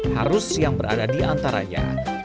harus yang berada di antaranya